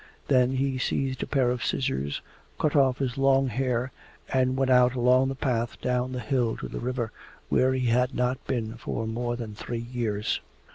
Then he seized a pair of scissors, cut off his long hair, and went out along the path down the hill to the river, where he had not been for more than three years.